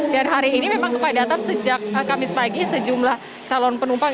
hari ini memang kepadatan sejak kamis pagi sejumlah calon penumpang